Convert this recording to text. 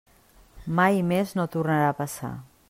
Mai més no tornarà a passar.